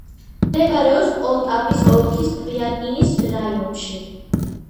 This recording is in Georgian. მდებარეობს პოლტავის ოლქის პირიატინის რაიონში.